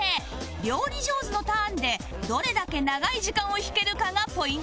料理上手のターンでどれだけ長い時間を引けるかがポイントです